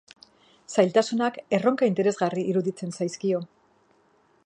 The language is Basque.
Zailtasunak erronka interesgarri iruditzen zaizkio.